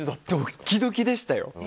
ドッキドキでしたよ。